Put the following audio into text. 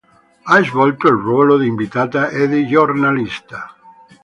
Ha svolto il ruolo di inviata e di giornalista.